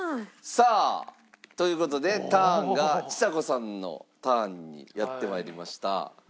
さあという事でターンがちさ子さんのターンにやってまいりました。